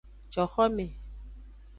Coxome.